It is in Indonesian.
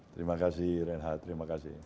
terima kasih reinhard terima kasih